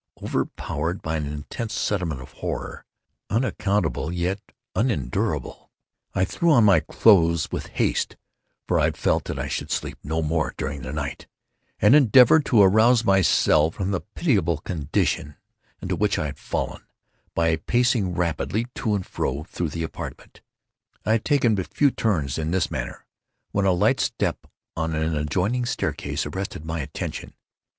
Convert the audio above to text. Overpowered by an intense sentiment of horror, unaccountable yet unendurable, I threw on my clothes with haste (for I felt that I should sleep no more during the night), and endeavored to arouse myself from the pitiable condition into which I had fallen, by pacing rapidly to and fro through the apartment. I had taken but few turns in this manner, when a light step on an adjoining staircase arrested my attention.